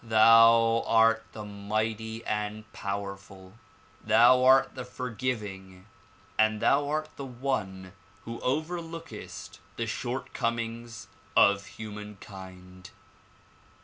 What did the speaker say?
Thou art the mighty and powerful ! Thou art the forgiving and thou art the one who overlookest the shortcomings of humankind.